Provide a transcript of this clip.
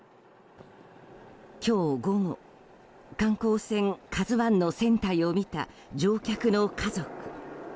今日午後、観光船「ＫＡＺＵ１」の船体を見た乗客の家族。